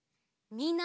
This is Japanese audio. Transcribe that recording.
みんな！